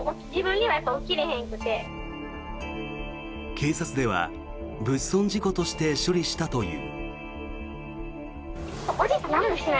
警察では物損事故として処理したという。